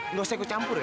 nggak usah aku campur ya